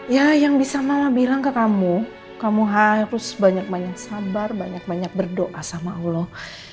ya yang bisa malah bilang ke kamu kamu harus banyak banyak sabar banyak banyak berdoa sama allah